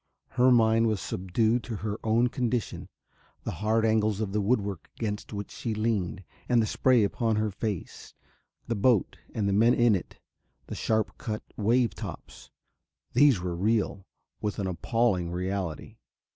Her mind was subdued to her own condition. The hard angles of the woodwork against which she leaned and the spray upon her face, the boat and the men in it, the sharp cut wave tops these were real, with an appalling reality.